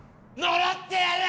「呪ってやる！